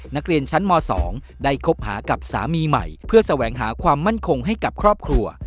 นักเรียนชั้นม๒ได้คบหากับสามีใหม่เพื่อแสวงหาความมั่นคงให้กับครอบครัว